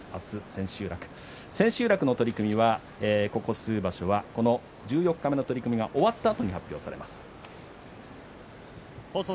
千秋楽の取組はここ数場所は十四日目の取組が終わった後に発表されます。